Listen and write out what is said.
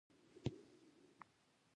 ایا زه باید ادرک وخورم؟